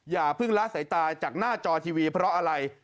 อย่าเพิ่งละสายตาจากหน้าจอทีวีเพราะอะไร